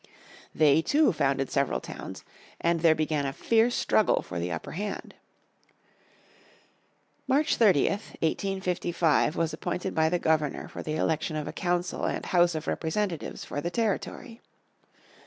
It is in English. They too found several towns, and there began a fierce struggle for the upper hand. March 30th, 1855 was appointed by the Governor for the election of a council and House of Representatives for the Territory.